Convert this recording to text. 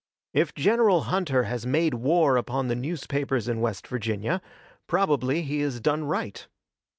If General Hunter has made war upon the newspapers in West Virginia, probably he has done right.